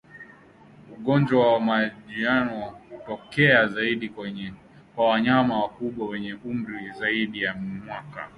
Ugonjwa wa majimoyo hutokea zaidi kwa wanyama wakubwa wenye umri zaidi ya mwaka